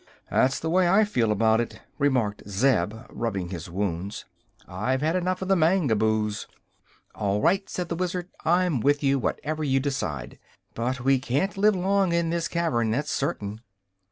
"That's the way I feel about it," remarked Zeb, rubbing his wounds. "I've had enough of the Mangaboos." "All right," said the Wizard; "I'm with you, whatever you decide. But we can't live long in this cavern, that's certain."